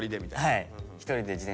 はい。